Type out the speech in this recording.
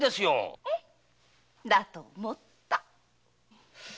だと思った！